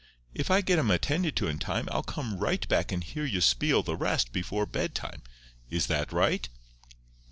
If I get 'em attended to in time I'll come right back and hear you spiel the rest before bedtime—is that right?"